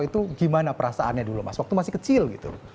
itu gimana perasaannya dulu mas waktu masih kecil gitu